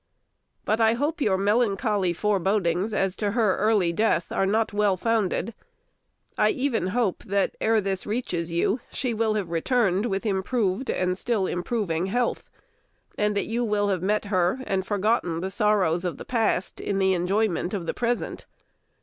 But I hope your melancholy bodings as to her early death are not well founded. I even hope that ere this reaches you, she will have returned with improved and still improving health, and that you will have met her, and forgotten the sorrows of the past in the enjoyment of the present.